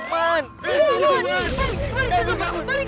mari ke rumah